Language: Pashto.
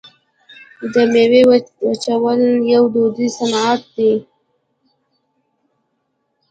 د میوو وچول یو دودیز صنعت دی.